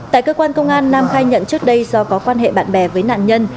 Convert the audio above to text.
tại cơ quan công an nam khai nhận trước đây do có quan hệ bạn bè với nạn nhân